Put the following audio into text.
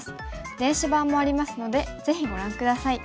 電子版もありますのでぜひご覧下さい。